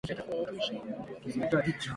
viazi lishe tofauti tofauti vinapatikana masokoni